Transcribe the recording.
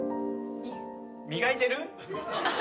磨いてる？